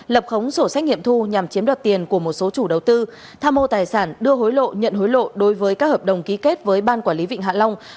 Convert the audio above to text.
lập khống sổ sách nghiệm thu nhằm chiếm đoạt tiền của một số chủ đầu tư tham mô tài sản đưa hối lộ nhận hối lộ đối với các hợp đồng ký kết với ban quản lý vịnh hạ long